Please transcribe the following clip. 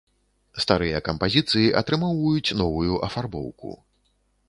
Старыя кампазіцыі атрымоўваюць новую афарбоўку.